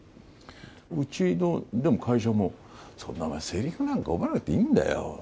うちの会社も、そんなセリフなんか覚えなくていいんだよ。